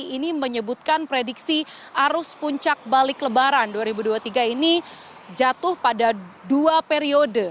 ini menyebutkan prediksi arus puncak balik lebaran dua ribu dua puluh tiga ini jatuh pada dua periode